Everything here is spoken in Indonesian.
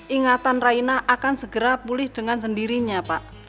ingatan raina akan segera pulih dengan sendirinya pak